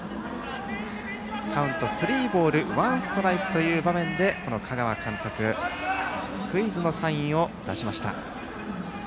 カウント、スリーボールワンストライクという場面で香川監督がスクイズのサインを出しました。